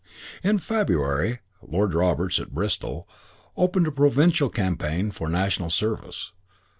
In February, Lord Roberts, at Bristol, opened a provincial campaign for National Service.